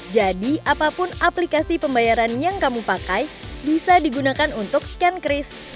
jadi apapun aplikasi pembayaran yang kamu pakai bisa digunakan untuk scan kris